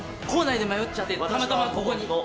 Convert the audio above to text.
校内で迷っちゃってたまたまここに。